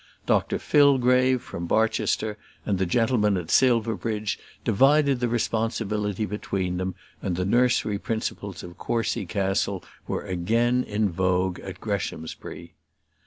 Dr Fillgrave from Barchester, and the gentleman at Silverbridge, divided the responsibility between them, and the nursery principles of Courcy Castle were again in vogue at Greshamsbury.